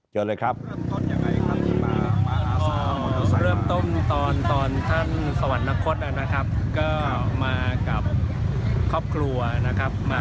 ก็เริ่มต้นตอนตอนท่านสวรรค์นครัฐครับมากับครอบครัวนะครับ